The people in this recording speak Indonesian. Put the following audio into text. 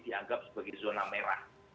dianggap sebagai zona merah